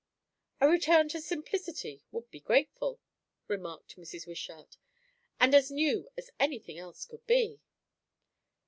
"A return to simplicity would be grateful," remarked Mrs. Wishart. "And as new as anything else could be."